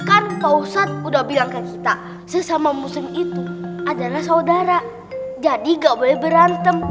kan pak ustadz udah bilang ke kita sesama muslim itu adalah saudara jadi gak boleh berantem